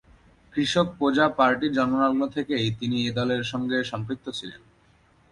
কৃষক প্রজা পার্টির জন্মলগ্ন থেকেই তিনি এ দলের সঙ্গে সম্পৃক্ত ছিলেন।